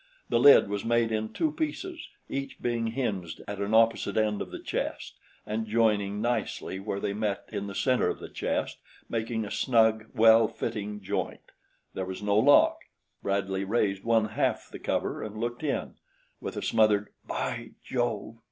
The lid was made in two pieces, each being hinged at an opposite end of the chest and joining nicely where they met in the center of the chest, making a snug, well fitting joint. There was no lock. Bradley raised one half the cover and looked in. With a smothered "By Jove!"